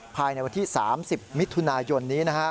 ภายในวันที่๓๐มิถุนายนนี้